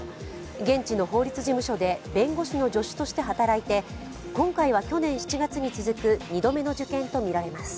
現地の法律事務所で弁護士の助手として働いて今回は去年７月に続く２度目の受験とみられます。